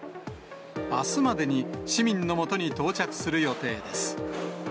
あすまでに市民のもとに到着する予定です。